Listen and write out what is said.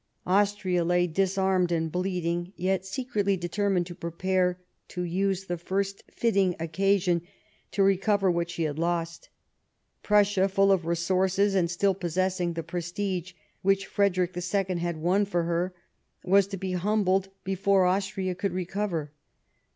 Austria lay disarmed and bleeding, yet secretly determined to prepare to use the first fitting occasion to recover what she had lost. Prussia, full of resources, and still possessing the prestige which Frederick II. had won for her, was to be humbled before Austria could recover.